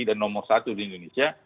dan nomor satu di indonesia